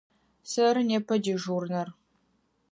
Сэры непэ дежурнэр.